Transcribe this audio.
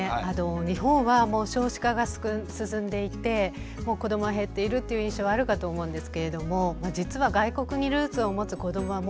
日本は少子化が進んでいて子どもは減っているっていう印象はあるかと思うんですけれども実は外国にルーツを持つ子どもは年々増えているんですよね。